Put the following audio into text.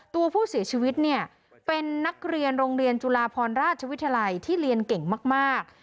ตัวผู้เสียชีวิตเนี่ยเป็นนักเรียนโรงเรียนจุฬาพรราชวิทยาลัยที่เรียนเก่งมาก